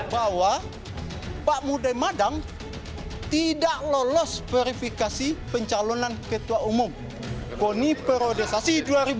bahwa pak mudai madang tidak lolos verifikasi pencalonan ketua umum koni prodesasi dua ribu sembilan belas dua ribu dua puluh empat